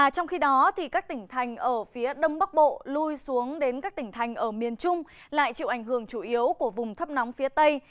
trong khi đó các tỉnh thành ở phía đông bắc bộ lui xuống đến các tỉnh thành ở miền trung lại chịu ảnh hưởng chủ yếu của vùng thấp nóng phía tây